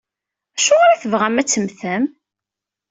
Acuɣer i tebɣam ad temmtem?